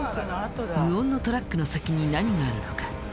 無音のトラックの先に何があるのか。